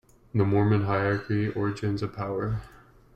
The Mormon Hierarchy Origins of Power.